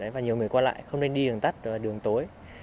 và nhiều người qua lại không nên đi đường tắt đường tối